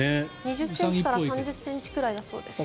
２０ｃｍから３０ｃｍくらいだそうです。